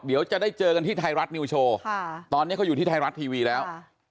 เดี๋ยวจะได้เจอกันที่ไทยรัฐนิวโชว์ตอนนี้เขาอยู่ที่ไทยรัฐทีวีแล้ว